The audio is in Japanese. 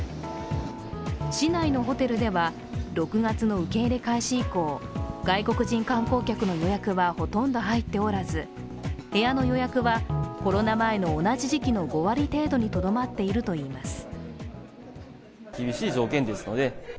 市内のホテルでは６月の受け入れ開始以降、外国人観光客の予約はほとんど入っておらず部屋の予約はコロナ前の同じ時期の５割程度にとどまっているといいます。